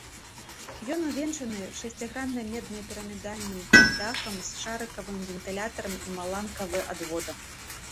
Ён увенчаны шасціграннай меднай пірамідальным дахам з шарыкавым вентылятарам і маланкавы адводам.